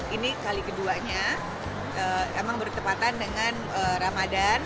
ini kali keduanya emang bertepatan dengan ramadan